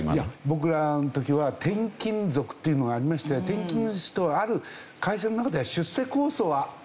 僕らの時は転勤族というのがありまして転勤の人は会社の中では出世コースを歩むような感じ。